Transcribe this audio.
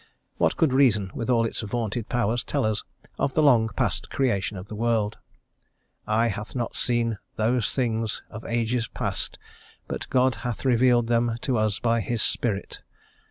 What could reason, with all its vaunted powers, tell us of the long past creation of the world? Eye hath not seen those things of ages past, but God hath revealed them to us by His Spirit.